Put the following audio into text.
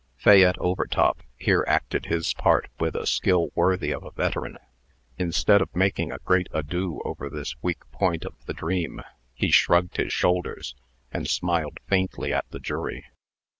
Fayette Overtop here acted his part with a skill worthy of a veteran. Instead of making a great ado over this weak point of the dream, he shrugged his shoulders, and smiled faintly at the jury.